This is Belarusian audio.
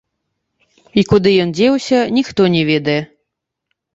І куды ён дзеўся, ніхто не ведае.